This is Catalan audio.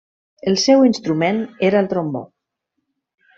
El seu instrument era el trombó.